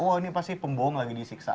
oh ini pasti pembohong lagi disiksa